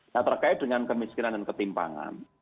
nah terkait dengan kemiskinan dan ketimpangan